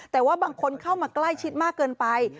แต่ว่าบางคนเข้ามาใกล้ชิดมากเกินไป